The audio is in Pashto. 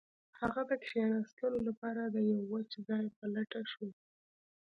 هغه د کښیناستلو لپاره د یو وچ ځای په لټه شو